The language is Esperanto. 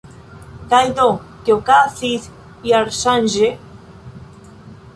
Kaj do, kio okazis jarŝanĝe?